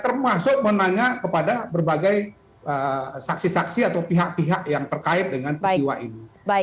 termasuk menanya kepada berbagai saksi saksi atau pihak pihak yang terkait dengan peristiwa ini